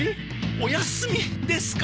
お休みですか。